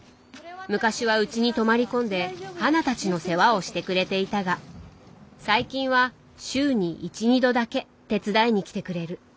昔はうちに泊まり込んで花たちの世話をしてくれていたが最近は週に１２度だけ手伝いに来てくれる。